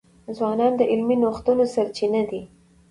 ځوانان د علمي نوښتونو سرچینه دي.